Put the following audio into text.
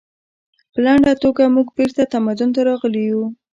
په لنډه توګه موږ بیرته تمدن ته راغلي یو